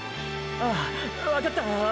ああわかった青